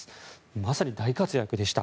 まさに大活躍でした。